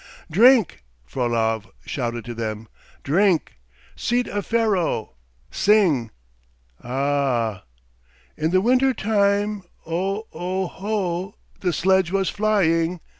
"Drink!" Frolov shouted to them. "Drink! Seed of Pharaoh! Sing! A a ah!" "In the winter time ... o o ho! ... the sledge was flying